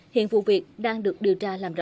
hiện vụ việc đang được điều tra làm rõ